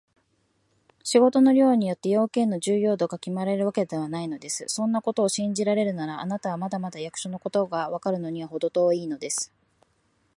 仕事の量によって、用件の重要度がきまるのではないのです。そんなことを信じられるなら、あなたはまだまだ役所のことがわかるのにはほど遠いのです。